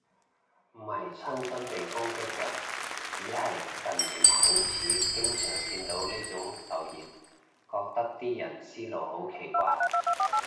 唔係親身被攻擊嘅，只係近年好似經常見到呢種留言，覺得啲人思路好奇怪